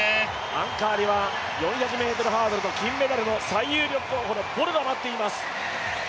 アンカーには４００ｍハードルの金メダルの最有力のボルが待っています。